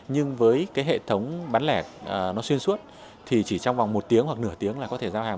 nhưng với cái hệ thống bán lẻ nó xuyên suốt thì chỉ trong vòng một tiếng hoặc nửa tiếng là có thể giao hàng